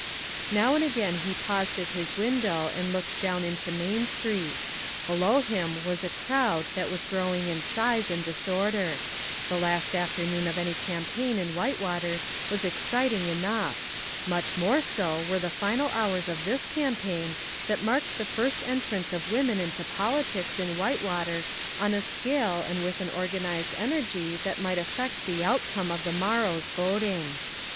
Now and again he paused at his window and looked down into Main Street. Below him was a crowd that was growing in size and disorder: the last afternoon of any campaign in Whitewater was exciting enough; much more so were the final hours of this campaign that marked the first entrance of women into politics in Whitewater on a scale and with an organized energy that might affect the outcome of the morrow's voting.